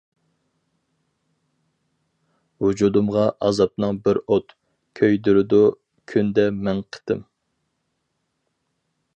ۋۇجۇدۇمغا ئازابىڭ بىر ئوت، كۆيدۈرىدۇ كۈندە مىڭ قېتىم.